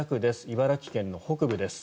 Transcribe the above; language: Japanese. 茨城県の北部です。